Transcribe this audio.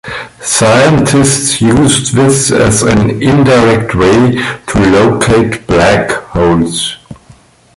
Scientists used this as an indirect way to locate black holes.